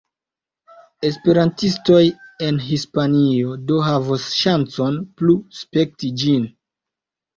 Esperantistoj en Hispanio do havos ŝancon plu spekti ĝin.